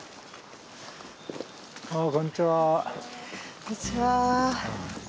こんにちは。